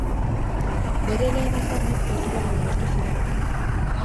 Bere lehen aztarnak Portugalen agertu ziren.